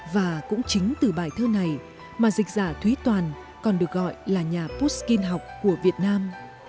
và cũng chính từ bài thơ này mà dịch giả thúy toàn còn được gọi là nhà puskin học của việt nam